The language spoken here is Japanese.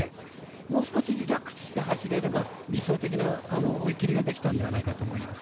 もう少しリラックスして走れれば、理想的な追い切りができたのではないかと思います。